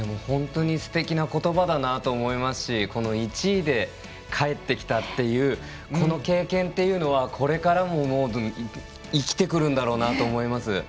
本当にすてきなことばだなと思いますし１位でかえってきたっていうこの経験っていうのはこれからも生きてくるんだろうなと思います。